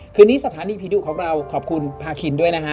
คืนนี้สถานีผีดุของเราขอบคุณพาคินด้วยนะฮะ